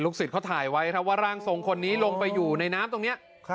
สิทธิ์เขาถ่ายไว้ครับว่าร่างทรงคนนี้ลงไปอยู่ในน้ำตรงนี้